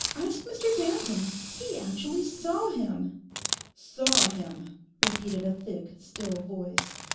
'Ask Mr Danton—he actually saw him.' '"Saw him,"' repeated a thick, still voice.